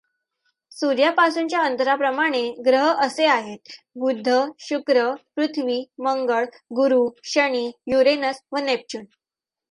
सूर्यापासूनच्या अंतराप्रमाणे ग्रह असे आहेत बुध, शुक्र, पृथ्वी, मंगळ, गुरू, शनी, युरेनस व नेपच्यून.